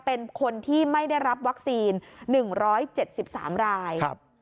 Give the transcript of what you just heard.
เป็นคนที่ไม่ได้รับวัคซีน๑๗๓ราย